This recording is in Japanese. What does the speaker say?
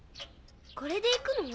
これで行くの？